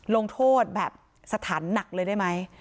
โลงโทษแบบศรัตนร์หนักเลยได้มั้ย